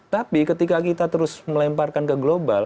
tapi ketika kita terus melemparkan ke global